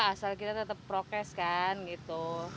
asal kita tetap prokes kan gitu